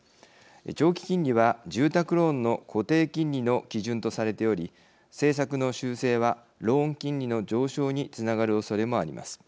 長期金利は住宅ローンの固定金利の基準とされており政策の修正はローン金利の上昇につながるおそれもあります。